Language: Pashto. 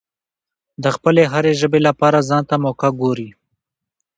د خپلې هرې ژبې لپاره ځانته موقع ګوري.